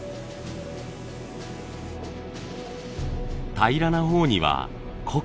平らな方には濃く。